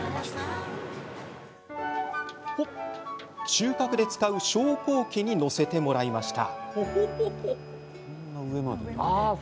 収穫で使う昇降機に乗せてもらいました。